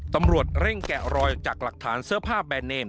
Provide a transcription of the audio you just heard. ตำรวจเร่งแกะรอยจากหลักฐานเสื้อผ้าแบรนเนม